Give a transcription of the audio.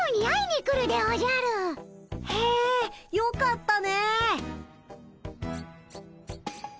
へえよかったね。